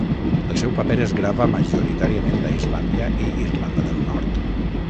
El seu paper es grava majoritàriament a Islàndia i Irlanda del Nord.